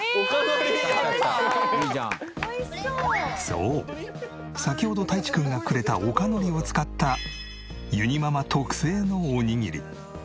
そう先ほどたいちくんがくれた陸海苔を使ったゆにママ特製のおにぎり。